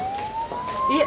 いえ